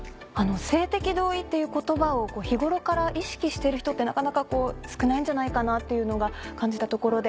性的同意っていう言葉を日頃から意識してる人ってなかなか少ないんじゃないかなっていうのが感じたところで。